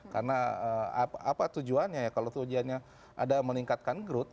karena apa tujuannya ya kalau tujuannya ada meningkatkan growth